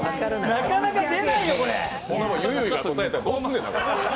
なかなか出ないよ、これ。